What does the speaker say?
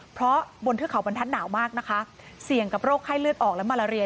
เพราะบนเทือกเขาบรรทัศนหนาวมากนะคะเสี่ยงกับโรคไข้เลือดออกและมาลาเรีย